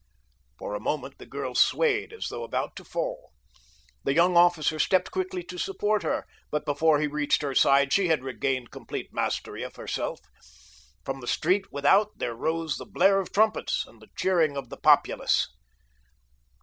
For a moment the girl swayed as though about to fall. The young officer stepped quickly to support her, but before he reached her side she had regained complete mastery of herself. From the street without there rose the blare of trumpets and the cheering of the populace.